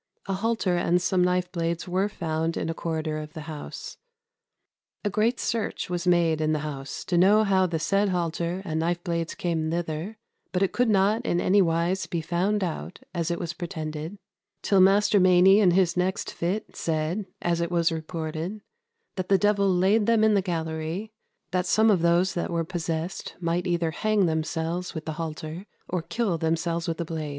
A halter and some knife blades were found in a corridor of the house. "A great search was made in the house to know how the said halter and knife blades came thither, but it could not in any wise be found out, as it was pretended, till Master Mainy in his next fit said, as it was reported, that the devil layd them in the gallery, that some of those that were possessed might either hang themselves with the halter, or kill themselves with the blades."